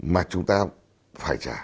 mà chúng ta phải trả